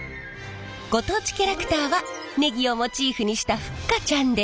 ご当地キャラクターはネギをモチーフにしたふっかちゃんです。